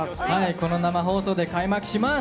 この生放送で開幕します。